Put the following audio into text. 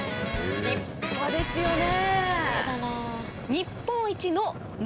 立派ですよね。